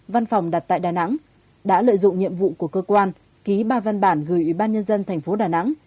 văn phòng đặt tại đà nẵng đã lợi dụng nhiệm vụ của cơ quan ký ba văn bản gửi ủy ban nhân dân thành phố đà nẵng